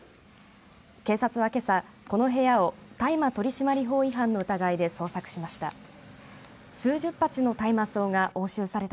警察は、けさこの部屋を大麻取締法違反の疑いで捜索しました。